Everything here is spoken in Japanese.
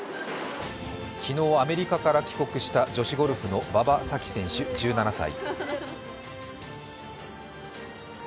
昨日、アメリカから帰国した女子ゴルフの馬場咲希選手１７歳。